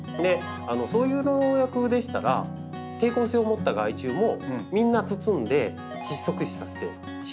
そういう薬剤でしたら抵抗性をもった害虫もみんな包んで窒息死させてしまう。